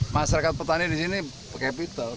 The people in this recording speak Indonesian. masyarakat petani di sini kapital